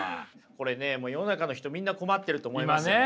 これねもう世の中の人みんな困ってると思います。